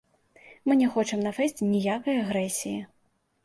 Мы не хочам на фэсце ніякай агрэсіі.